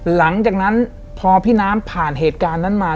หลังจากนั้นพอพี่น้ำผ่านเหตุการณ์นั้นมา